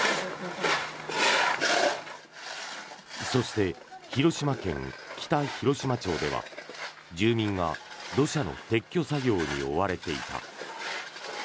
そして、広島県北広島町では住民が土砂の撤去作業に追われていた。